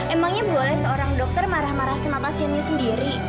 emangnya boleh seorang dokter marah marah sama pasiennya sendiri